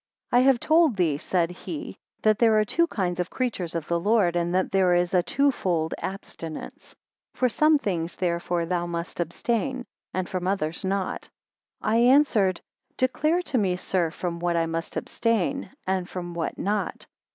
I HAVE told thee, said he, that there are two kinds of creatures of the Lord, and that there is a two fold abstinence. From some things therefore thou must abstain, and from others not. 2 I answered, Declare to me, sir, from what I must abstain, and from what not.